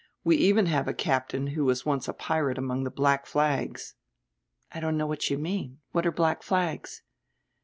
We even have a captain who was once a pirate among the Black Flags." "I don't know what you mean. What are Black Flags?"